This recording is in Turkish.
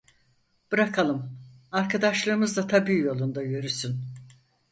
Bırakalım, arkadaşlığımız da tabii yolunda yürüsün.